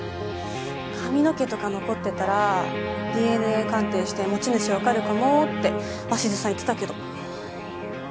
髪の毛とか残ってたらＤＮＡ鑑定して持ち主わかるかもって鷲津さん言ってたけど。